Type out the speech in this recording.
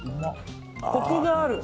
コクがある。